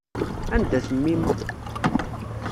Anda-t mmi-m?